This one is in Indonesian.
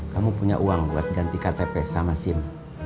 kamu punya uang buat ganti ktp sama sim